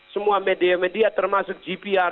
semua media media termasuk gpr